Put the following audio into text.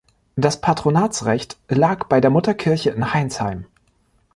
Das Patronatsrecht lag bei der Mutterkirche in Heinsheim.